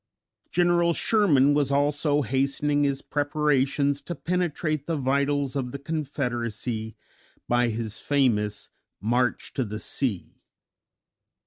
General Sherman was also hastening his preparations to penetrate the vitals of the Confederacy by his famous "March to the Sea."